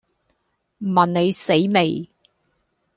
問你死未